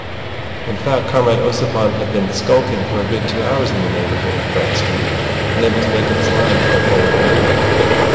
In fact, Comrade Ossipon had been skulking for a good two hours in the neighbourhood of Brett Street, unable to make up his mind for a bold move.